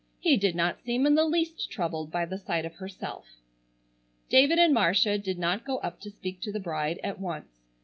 He did not seem in the least troubled by the sight of herself. David and Marcia did not go up to speak to the bride at once.